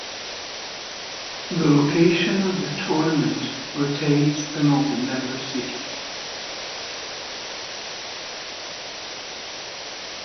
The location of the tournament rotates among the member cities.